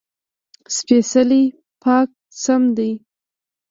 سپېڅلی: پاک سم دی.